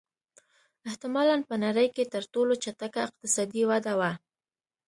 احتمالًا په نړۍ کې تر ټولو چټکه اقتصادي وده وه.